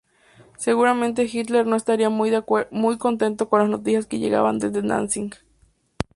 Seguramente Hitler no estaría muy contento de las noticias que llegaban desde Danzig.